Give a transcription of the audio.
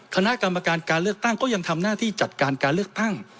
คณะกรรมการการเลือกตั้งก็ยังทำหน้าที่จัดการการเลือกตั้ง